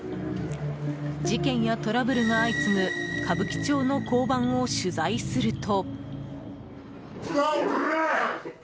事件やトラブルが相次ぐ歌舞伎町の交番を取材すると。